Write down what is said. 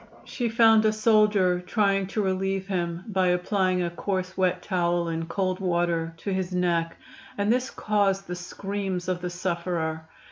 She found a soldier trying to relieve him by applying a coarse wet towel in cold water to his neck, and this caused the screams of the sufferer.